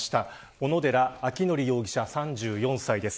小野寺章仁容疑者、３４歳です。